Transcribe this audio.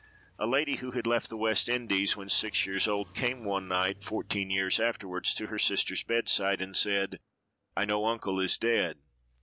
A lady who had left the West Indies when six years old, came one night, fourteen years afterward, to her sister's bedside, and said, "I know uncle is dead.